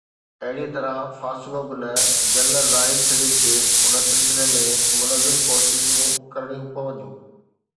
اهڙي طرح فاصلو به نه، جنرل راحيل شريف کي ان سلسلي ۾ منظم ڪوششون ڪرڻيون پونديون.